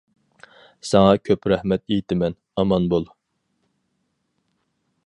ساڭا كۆپ رەھمەت ئېيتىمەن. ئامان بول!